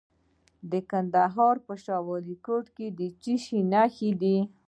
د کندهار په شاه ولیکوټ کې د څه شي نښې دي؟